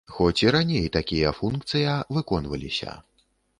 Хоць і раней такія функцыя выконваліся.